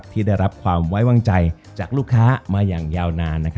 ที่ได้รับความไว้วางใจจากลูกค้ามาอย่างยาวนาน